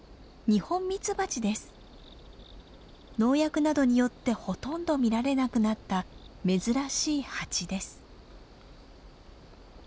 農薬などによってほとんど見られなくなった珍しいハチです。